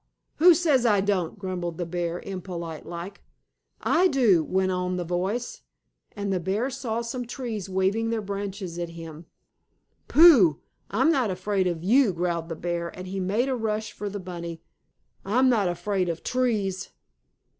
Who says I don't?" grumbled the bear, impolite like. "I do," went on the voice. And the bear saw some trees waving their branches at him. "Pooh! I'm not afraid of you!" growled the bear, and he made a rush for the bunny. "I'm not afraid of trees."